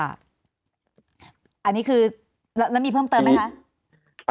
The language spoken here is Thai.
อันนี้คือแล้วมีเพิ่มเติมไหมคะ